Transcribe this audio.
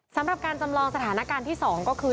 สำหรับการจำลองสถานการณ์ที่๒ก็คือ